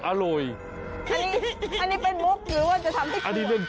อันนี้เป็นบุ๊กหรือว่าจะทำให้คุณ